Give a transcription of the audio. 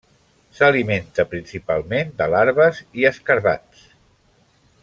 S'alimenta principalment de larves i escarabats.